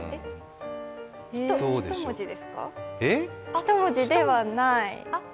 一文字ではない？